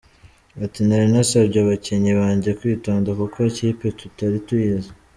Ati “Nari nasabye abakinnyi banjye kwitonda kuko ikipe tutari tuyizi.